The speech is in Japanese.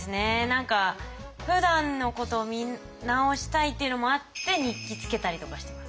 何かふだんのこと見直したいっていうのもあって日記つけたりとかしてます。